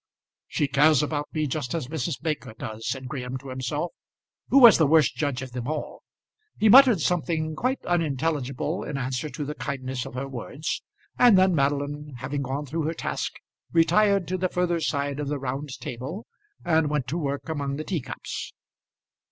"She cares about me just as Mrs. Baker does," said Graham to himself, who was the worst judge of them all. He muttered something quite unintelligible in answer to the kindness of her words; and then Madeline, having gone through her task, retired to the further side of the round table, and went to work among the teacups.